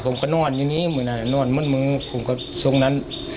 ผมก็นอนอย่างนี้เหมือนนอนเหมือนมึงผมก็ช่วงนั้น